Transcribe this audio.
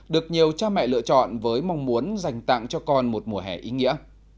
được nhiều cha mẹ lựa chọn với mong muốn dành tặng cho con một mùa hè ý nghĩa